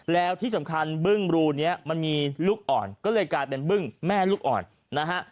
แล้วที่สำคัญบึ้งบรูนี้มันมีลูกอ่อนก็เลยกลายเป็นบึ้งแม่ลูกอ่อนนะฮะ